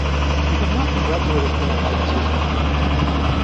You have not congratulated me on my physician.